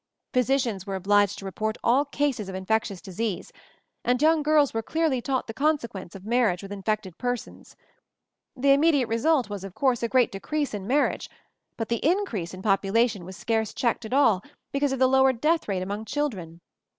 Physicians were obliged to report all cases of infectious disease, and young girls were clearly taught the conse quence of marriage with infected persons. The immediate result was, of course, a great decrease in marriage; but the increase in population was scarce checked at all because of the lowered death rate among children.